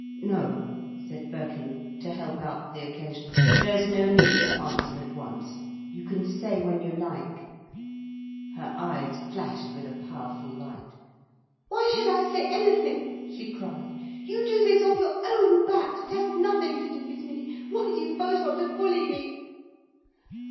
"No," said Birkin, to help out the occasion, "there's no need to answer at once. You can say when you like." Her eyes flashed with a powerful light. "Why should I say anything?" she cried. "You do this off your own bat, it has nothing to do with me. Why do you both want to bully me?"